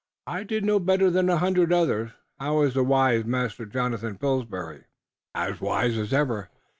"I did no better than a hundred others. How is the wise Master Jonathan Pillsbury?" "As wise as ever.